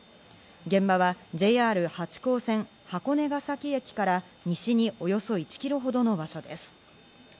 現場はＪＲ八高線・箱根ケ崎駅から西におよそ１ｋｍほどの場所です。